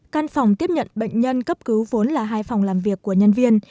căn phòng tiếp nhận bệnh nhân cấp cứu vốn là hai phòng làm việc của nhân viên